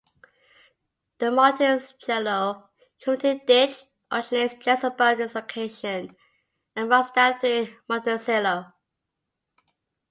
The Monticello community ditch originates just above this location and runs down through Monticello.